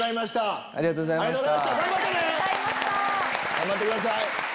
頑張ってください。